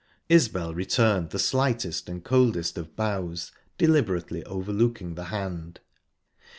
Isbel returned the slightest and coldest of bows, deliberately overlooking the hand.